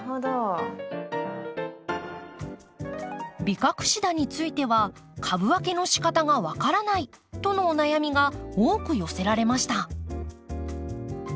ビカクシダについては株分けのしかたが分からないとのお悩みが多く寄せられました。